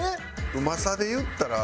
うまさで言ったら。